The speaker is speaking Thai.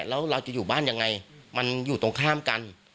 แล้วเราจะอยู่บ้านยังไงมันอยู่ตรงข้ามกัน